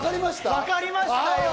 わかりましたよ。